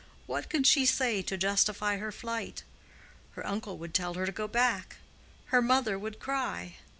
What could she say to justify her flight? Her uncle would tell her to go back. Her mother would cry.